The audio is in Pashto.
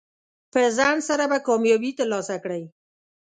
په ځنډ سره به کامیابي ترلاسه کړئ.